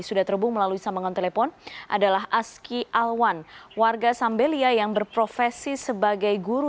sudah terhubung melalui sambangan telepon adalah aski alwan warga sambelia yang berprofesi sebagai guru